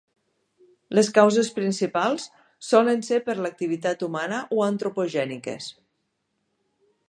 Les causes principals solen ser per l'activitat humana o antropogèniques.